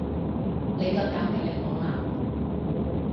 你夠膽命令我啊？